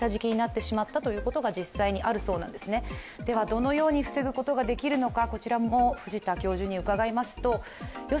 どのように防ぐことができるのか。